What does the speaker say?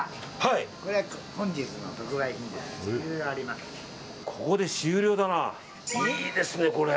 いいですね、これ。